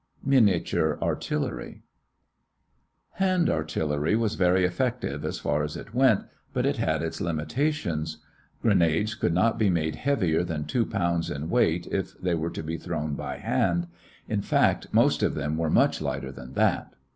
MINIATURE ARTILLERY Hand artillery was very effective as far as it went, but it had its limitations. Grenades could not be made heavier than two pounds in weight if they were to be thrown by hand; in fact, most of them were much lighter than that.